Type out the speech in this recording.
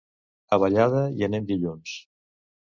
A Vallada hi anem dilluns.